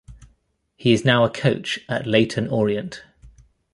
He is now a coach at Leyton Orient.